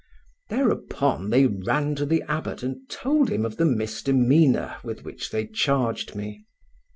Thereupon they ran to the abbot and told him of the misdemeanour with which they charged me.